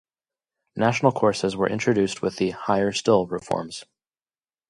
National Courses were introduced with the "Higher Still" reforms.